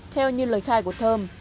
theo như lời khai của thơm